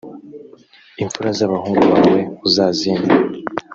imfura z’abahungu bawe uzazimpe